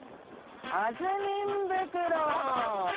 あずみん袋！